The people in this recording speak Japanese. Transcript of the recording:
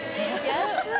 安い！